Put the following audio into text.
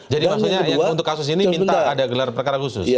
jadi maksudnya untuk kasus ini minta ada gelar perkara khusus